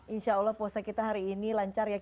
insyaallah puasa kita hari ini lancar ya